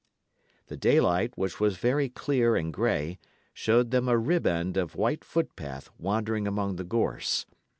The daylight, which was very clear and grey, showed them a riband of white footpath wandering among the gorse.